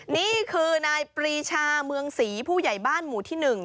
นี่คือนายปรีชาเมืองศรีผู้ใหญ่บ้านหมู่ที่๑